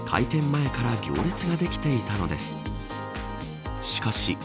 前から行列ができていたのです。